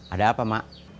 ada apa emak